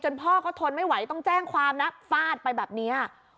พ่อเขาทนไม่ไหวต้องแจ้งความนะฟาดไปแบบนี้